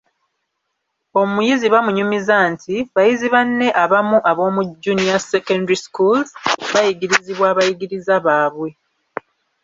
Omuyizi bamunyumiza nti, bayizi banne abamu ab'omu Junior Secondary Schools bayigirizibwa abayigiriza baabwe.